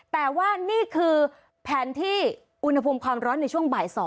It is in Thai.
แต่ว่านี่คือแผนที่อุณหภูมิความร้อนในช่วงบ่าย๒